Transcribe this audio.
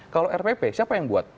kalau rpp siapa yang buat